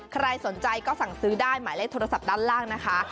ใครสนใจก็สั่งซื้อได้หมายเลขโทรศัพท์ด้านล่างนะคะ